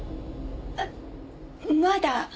あっまだ。